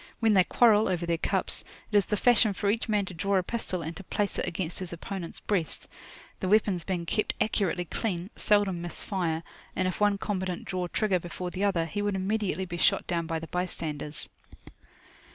When they quarrel over their cups, it is the fashion for each man to draw a pistol, and to place it against his opponent's breast. The weapons being kept accurately clean, seldom miss fire, and if one combatant draw trigger before the other, he would immediately be shot down by the bystanders.